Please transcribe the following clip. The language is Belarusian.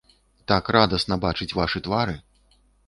Так радасна бачыць вашы твары!